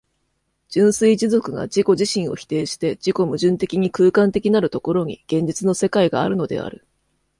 純粋持続が自己自身を否定して自己矛盾的に空間的なる所に、現実の世界があるのである。